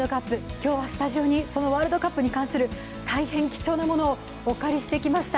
今日はスタジオにそのワールドカップに関する大変貴重なものをお借りしてきました。